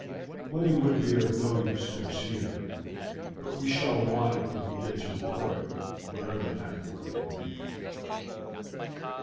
Money would be of no use to us here, but we shall want it when we get to a port, wherever that port may be."